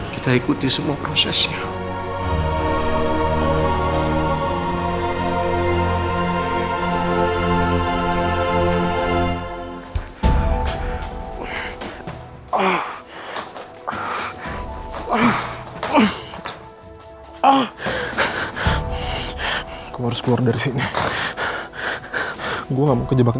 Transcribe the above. kita ikuti semua prosesnya